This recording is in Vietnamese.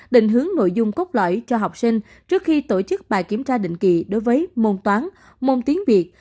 định hướng nội dung cốt lõi cho học sinh trước khi tổ chức bài kiểm tra định kỳ đối với môn toán môn tiếng việt